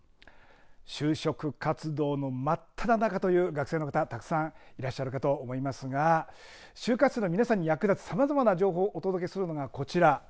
就職活動の真っただ中という学生の方たくさんいらっしゃるかと思いますが就活生の皆さんに役立つさまざまな情報をお届けするのがこちら。